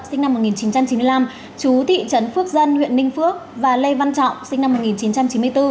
sinh năm một nghìn chín trăm chín mươi năm chú thị trấn phước dân huyện ninh phước và lê văn trọng sinh năm một nghìn chín trăm chín mươi bốn